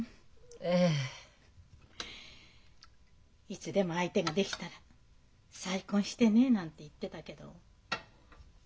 「いつでも相手が出来たら再婚してね」なんて言ってたけど。